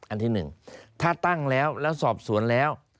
อันที่๑ถ้าตั้งแล้วแล้วสอบสวนแล้ว